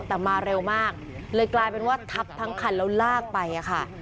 แต่มาเร็วมากเลยกลายเป็นว่าทับทั้งคันแล้วลากไปค่ะ